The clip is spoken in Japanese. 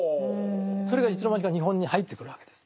それがいつの間にか日本に入ってくるわけです。